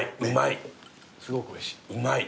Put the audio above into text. うまい。